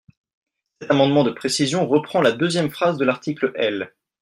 Cet amendement de précision reprend la deuxième phrase de l’article L.